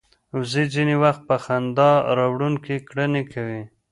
وزې ځینې وخت په خندا راوړونکې کړنې کوي